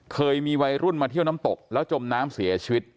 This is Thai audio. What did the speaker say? เคยมีวัยรุ่นมาเที่ยวน้ำตกแล้วจมน้ำเสียชีวิต